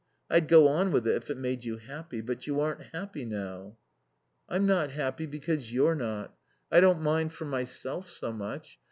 I'd go on with it if it made you happy. But you aren't happy now." "I'm not happy because you're not. I don't mind for myself so much.